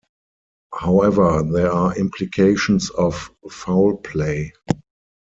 However, there are implications of foul play.